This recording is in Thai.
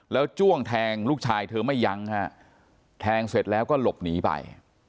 แล้วจ้วงแทงลูกชายเธอไม่ยั้งฮะแทงเสร็จแล้วก็หลบหนีไป